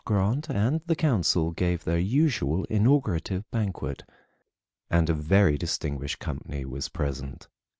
Grant, and the council gave their usual inaugurative banquet, and a very distinguished company was present.